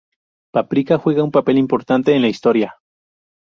Paprika juega un papel muy importante en la historia.